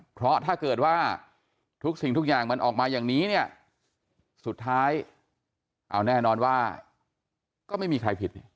เพราะถ้าเกิดว่าทุกสิ่งทุกอย่างมันออกมาอย่างนี้เนี่ยสุดท้ายเอาแน่นอนว่าก็ไม่มีใครผิด